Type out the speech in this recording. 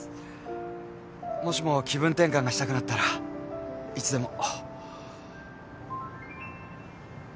もしも気分転換がしたくなったらいつでも。